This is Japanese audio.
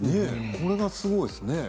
それがすごいですね。